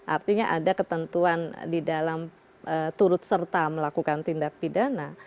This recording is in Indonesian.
artinya ada ketentuan di dalam turut serta melakukan tindak pidana